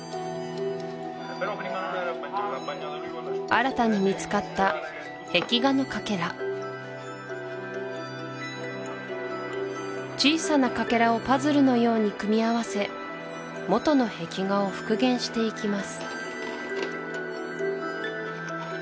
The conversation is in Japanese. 新たに見つかった壁画のかけら小さなかけらをパズルのように組み合わせ元の壁画を復元していきます